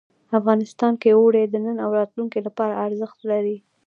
افغانستان کې اوړي د نن او راتلونکي لپاره ارزښت لري.